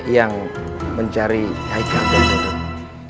yang mencari haikal dan dodot